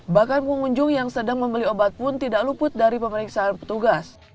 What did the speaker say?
bahkan pengunjung yang sedang membeli obat pun tidak luput dari pemeriksaan petugas